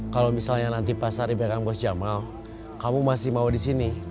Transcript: kalau misalnya nanti pas hari pegang bos jamal kamu masih mau di sini